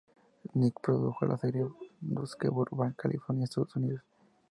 Nick produjo la serie desde Burbank, California, Estados Unidos.